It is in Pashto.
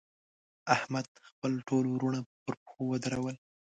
احمد؛ خپل ټول وروڼه پر پښو ودرول.